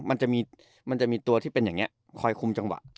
มันจะมีตัวที่เป็นอย่างนี้คอยคุมจังหวะ